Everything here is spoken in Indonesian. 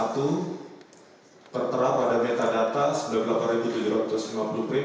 tertera pada metadata sembilan puluh delapan tujuh ratus lima puluh pri